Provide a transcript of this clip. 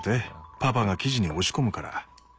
パパが生地に押し込むから。